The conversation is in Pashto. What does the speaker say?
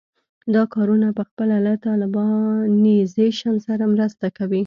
دا کارونه پخپله له طالبانیزېشن سره مرسته کوي.